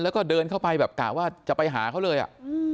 แล้วก็เดินเข้าไปแบบกะว่าจะไปหาเขาเลยอ่ะ